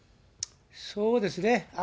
そうですね。